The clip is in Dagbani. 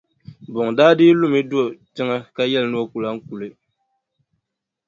Buŋa daa dii lumi n-do tiŋa ka yɛli ni o ku lahi kuli.